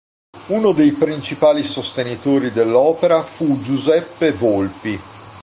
Uno dei principali sostenitori dell'opera fu Giuseppe Volpi.